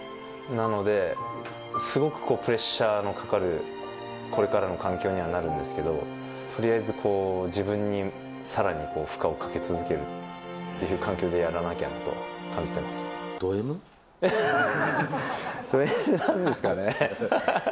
なので、すごくこうプレッシャーのこれからの環境にはなるんですけど、とりあえずこう、自分にさらに負荷をかけ続けるっていう環境でやらなきゃと感じてドＭ？ドＭなんですかね。